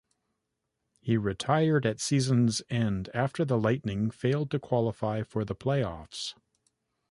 He retired at season's end after the Lightning failed to qualify for the playoffs.